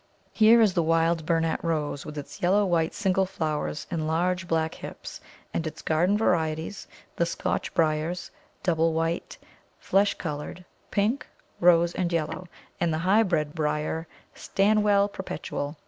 Here is the wild Burnet Rose, with its yellow white single flowers and large black hips, and its garden varieties, the Scotch Briars, double white, flesh coloured, pink, rose, and yellow, and the hybrid briar, Stanwell Perpetual.